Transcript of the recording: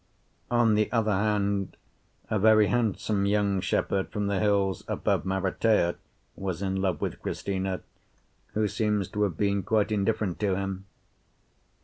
On the other hand, a very handsome young shepherd from the hills above Maratea was in love with Cristina, who seems to have been quite indifferent to him.